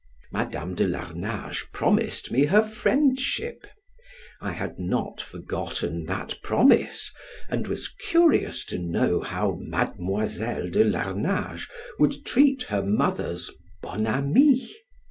Madam de Larnage promised me her friendship; I had not forgotten that promise, and was curious to know how Mademoiselle de Larnage would treat her mother's 'bon ami'.